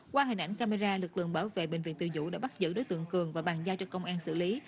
qua hình ảnh camera lực lượng bảo vệ bệnh viện từ dũ đã bắt giữ đối tượng cường và bàn giao cho công an xử lý